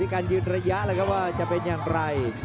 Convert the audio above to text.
การยืนระยะแล้วครับว่าจะเป็นอย่างไร